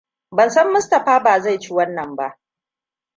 Ban san Mustapha ba zai ci wannan ba.